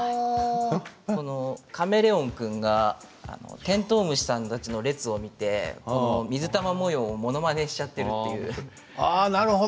カメレオン君がテントウムシさんたちの列を見て水玉模様をものまねしちゃっているという。